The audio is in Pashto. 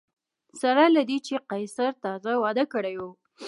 سره له دې چې قیصر تازه واده کړی و